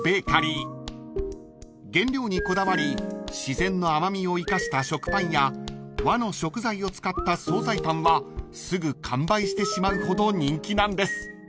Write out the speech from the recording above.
［原料にこだわり自然の甘味を生かした食パンや和の食材を使った総菜パンはすぐ完売してしまうほど人気なんです］